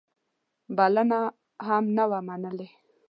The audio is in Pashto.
بلنه هم نه وه منلې.